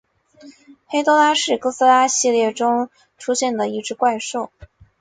黑多拉是哥斯拉系列电影中出现的一只怪兽。